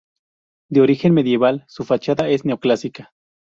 De origen medieval, su fachada es neoclásica.